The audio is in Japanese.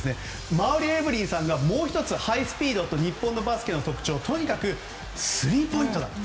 馬瓜エブリンさんが、もう１つハイスピードと日本のバスケの特徴はとにかくスリーポイントだと。